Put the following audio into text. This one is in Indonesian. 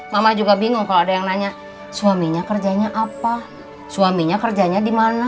mama juga bingung kalau ada yang nanya suaminya kerjanya apa suaminya kerjanya di mana